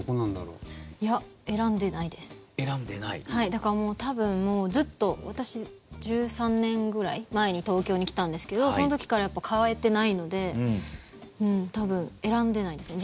だから多分、ずっと私、１３年ぐらい前に東京に来たんですけどその時から変えてないので多分、選んでないですね。